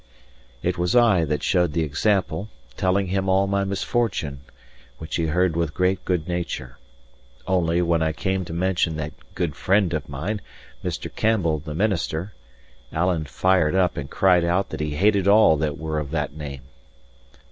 It was I that showed the example, telling him all my misfortune; which he heard with great good nature. Only, when I came to mention that good friend of mine, Mr. Campbell the minister, Alan fired up and cried out that he hated all that were of that name.